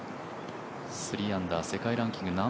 ３アンダー、世界ランキング